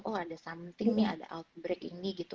oh ada something nih ada outbreak ini gitu